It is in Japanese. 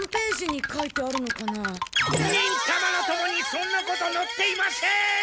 「にんたまの友」にそんなことのっていません！